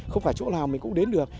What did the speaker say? không phải chỗ nào mình cũng đến được